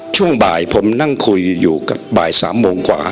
ช่วงบ่ายผมนั่งคุยอยู่กับบ่าย๓โมงกว่า